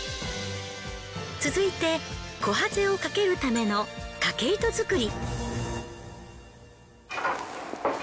続いてこはぜを掛けるためのかけ糸作り。